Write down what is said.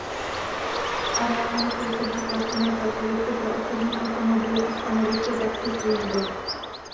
S areálem sousedí placené parkoviště pro osobní automobily a stanoviště taxislužby.